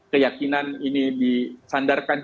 keyakinan ini disandarkan